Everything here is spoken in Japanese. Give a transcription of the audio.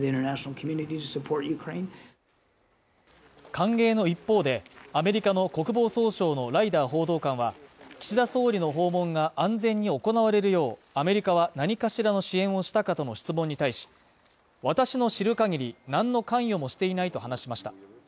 歓迎の一方で、アメリカの国防総省のライダー報道官は岸田総理の訪問が安全に行われるよう、アメリカは何かしらの支援をしたかとの質問に対し、私の知る限り、何の関与もしていないと話しました。